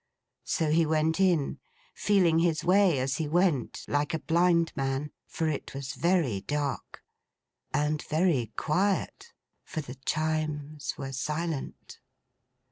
So he went in, feeling his way as he went, like a blind man; for it was very dark. And very quiet, for the Chimes were silent.